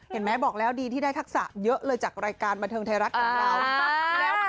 เห็นไหมบอกแล้วดีที่ได้ทักษะเยอะเลยจากรายการบันเทิงไทยรัฐของเรา